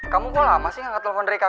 kamu kok lama sih gak nge telepon dari rumah